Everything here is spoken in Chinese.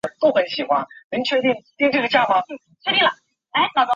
银座的小林会二代目会长。